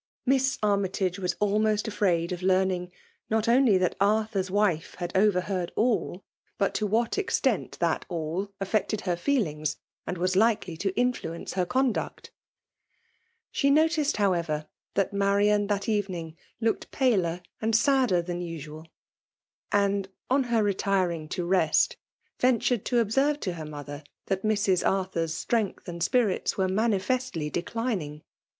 Miss Army tage was almost afiraid oi learning, not only that Arthur's wife had oTev^t Iwavd illk but to what extent that all affected ^ie^HngSi an4 waa likely to iikfluence her Qctnduot* Sk^ tiotioed, howeyeri that Marian that •Ternng' looked paler antd sadder than usual; i^>oii hev retiring to rest, ventured toobserve to faetf nuyiher that Mrs. Arthur^s strength' aad spirlta were nuuufestly dedining.